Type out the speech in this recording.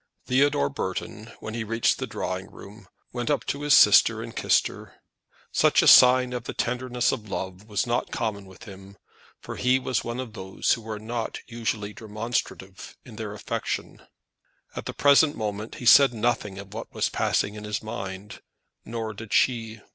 Theodore Burton, when he reached the drawing room, went up to his sister and kissed her. Such a sign of the tenderness of love was not common with him, for he was one of those who are not usually demonstrative in their affection. At the present moment he said nothing of what was passing in his mind, nor did she.